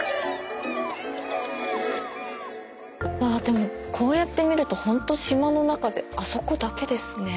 でもこうやって見るとホント島の中であそこだけですね。